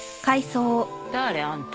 誰？あんた